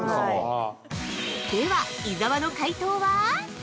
◆では伊沢の解答は。